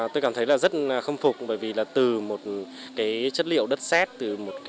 tôi cảm thấy rất khâm phục bởi vì từ một chất liệu đất xét